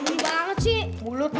hei tangan gue jadi lakban